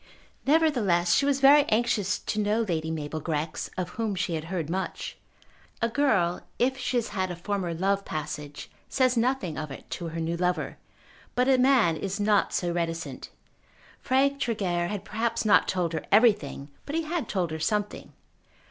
Nevertheless she was very anxious to know Lady Mabel Grex, of whom she had heard much. A girl if she has had a former love passage says nothing of it to her new lover; but a man is not so reticent. Frank Tregear had perhaps not told her everything, but he had told her something.